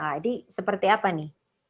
nah ini seperti apa nih